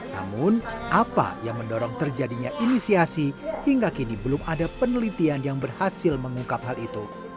namun apa yang mendorong terjadinya inisiasi hingga kini belum ada penelitian yang berhasil mengungkap hal itu